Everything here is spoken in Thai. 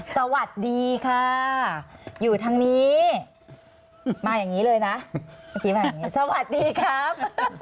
สวัสดีค่ะอยู่ทางนี้มาอย่างนี้เลยนะสวัสดีครับ